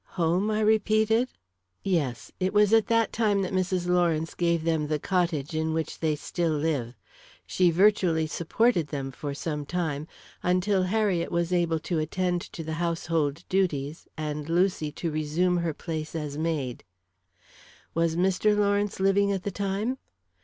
"Home?" I repeated. "Yes; it was at that time that Mrs. Lawrence gave them the cottage in which they still live. She virtually supported them for some time, until Harriet was able to attend to the household duties, and Lucy to resume her place as maid." "Was Mr. Lawrence living at the time?"